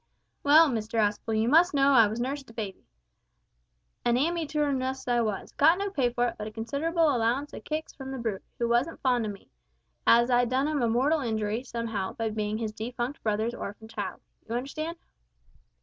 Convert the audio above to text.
Well, Mr Aspel, you must know I was nuss to baby. An amytoor nuss I was got no pay for it, but a considerable allowance o' kicks from the Brute, who wasn't fond o' me, as I'd done 'im a mortal injury, somehow, by being his defunct brother's orphan child. You understand?"